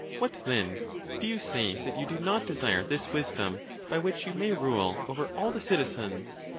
What then, do you say that you do not desire this wisdom, by which you may rule over all the citizens?